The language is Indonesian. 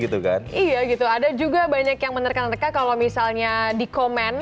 iya ada juga banyak yang menerkan terkan kalau misalnya di komen